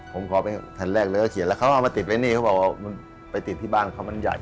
ผมขอไปแผ่นแรกเลยก็เขียนแล้วเขาเอามาติดไว้นี่เขาบอกว่ามันไปติดที่บ้านเขามันใหญ่